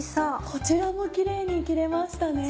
こちらもキレイに切れましたね！